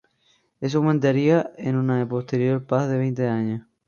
Eso aumentaría en una posterior paz de veinte años.